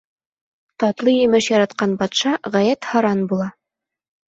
Татлы емеш яратҡан батша ғәйәт һаран була.